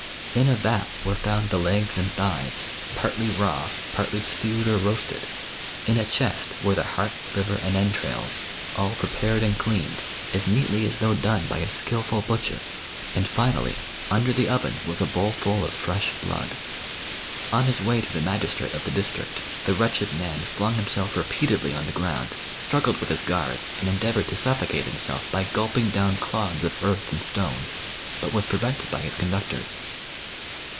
In a vat were found the legs and thighs, partly raw, partly stewed or roasted. In a chest were the heart, liver, and entrails, all pre pared and cleaned, as neatly as though done by a skilful butcher ; and, fimbUy^ under the oven was a bowl fuU of 248 THE BOOK OF WERE WOLVES. fresh blood. On his way to the magistrate of the dis trict, the wretched man flung himself repeatedly on the ground, struggled with his guards, and endeavoured to suffocate himself by gulping down clods of eai*th and stones, but was prevented by his conductors.